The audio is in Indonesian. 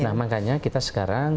nah makanya kita sekarang